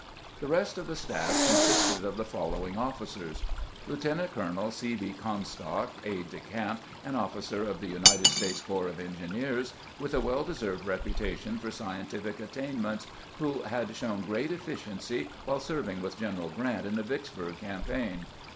The rest of the staff consisted of the following officers : Lieutenant colonel C. B. Comstock, aide de camp, an officer of the United States corps of engineers, with a well deserved reputation for scientific attainments, who had shown great efficiency while serving with General Grant in the Vicksburg campaign.